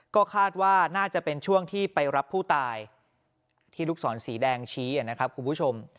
ก็คาดว่าน่าจะเป็นช่วงที่ไปรับผู้ตายที่ลูกศรสีแดงชี้นะครับคุณผู้ชม